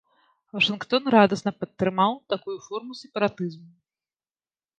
Вашынгтон радасна падтрымаў такую форму сепаратызму.